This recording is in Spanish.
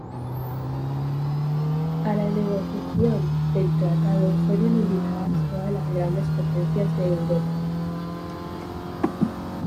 A la negociación del tratado fueron invitadas todas las Grandes Potencias de Europa.